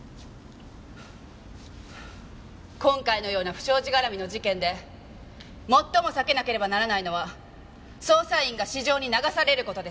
今回のような不祥事絡みの事件で最も避けなければならないのは捜査員が私情に流される事です。